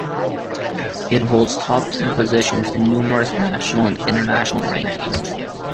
It holds top-ten positions in numerous national and international rankings.